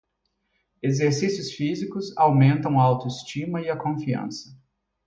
Exercícios físicos aumentam a autoestima e a confiança.